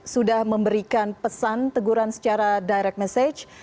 sudah memberikan pesan teguran secara direct message